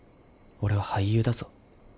俺は俳優だぞ。